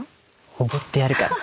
おごってやるから。